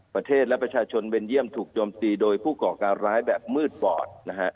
ประเทศและประชาชนเบนเยี่ยมถูกโจมตีโดยผู้ก่อการร้ายแบบมืดปอดนะฮะ